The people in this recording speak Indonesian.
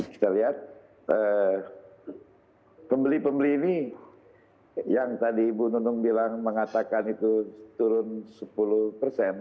kita lihat pembeli pembeli ini yang tadi ibu nunung bilang mengatakan itu turun sepuluh persen